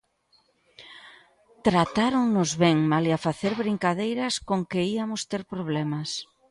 Tratáronnos ben, malia facer brincadeiras con que iamos ter problemas.